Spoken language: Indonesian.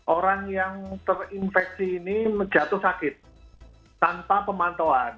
orang yang terinfeksi ini jatuh sakit tanpa pemantauan